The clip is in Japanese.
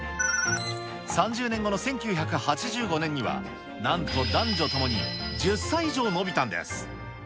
３０年後の１９８５年には、なんと男女ともに１０歳以上延びたんです。